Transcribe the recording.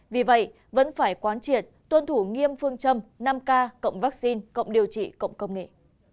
vì vậy vẫn phải quán triệt tuân thủ nghiêm phương châm năm k cộng vaccine cộng điều trị cộng công nghệ